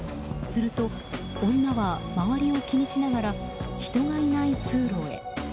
すると、女は周りを気にしながら人がいない通路へ。